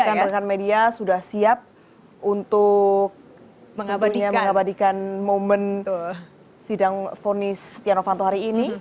rekan rekan media sudah siap untuk mengabadikan momen sidang ponis satyana vanto hari ini